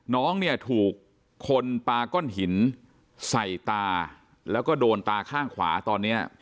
น้องเนี่ยถูกคนปาก้อนหินใส่ตาแล้วก็โดนตาข้างขวาตอนนี้